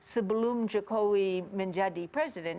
sebelum jokowi menjadi presiden